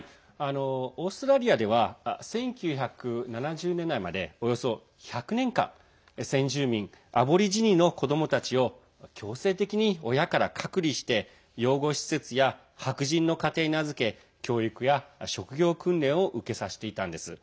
オーストラリアでは１９７０年代までおよそ１００年間先住民・アボリジニの子どもたちを強制的に親から隔離して養護施設や、白人の家庭に預け教育や職業訓練を受けさせていたんです。